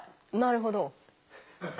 なるほど。